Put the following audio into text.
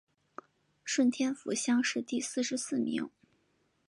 顺天府乡试第四十四名。